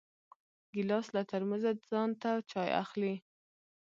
ګیلاس له ترموزه ځان ته چای اخلي.